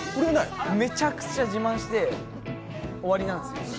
めちゃくちゃ自慢して終わりなんですよ。